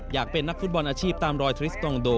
อยากเป็นนักฟุตบอลอาชีพตามรอยทริสตองโด